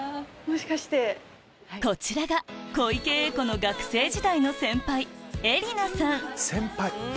こちらが小池栄子の学生時代の先輩